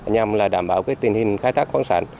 nhằm đảm bảo tình hình khai thác khoáng sản